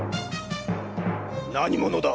何者だ？